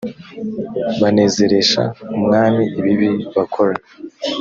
banezeresha umwami ibibi bakora